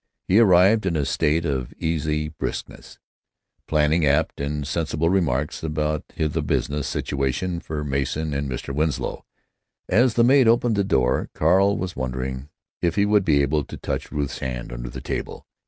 He arrived in a state of easy briskness, planning apt and sensible remarks about the business situation for Mason and Mr. Winslow. As the maid opened the door Carl was wondering if he would be able to touch Ruth's hand under the table.